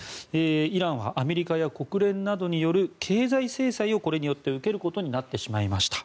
イランはアメリカや国連などによる経済制裁をこれによって受けることになってしまいました。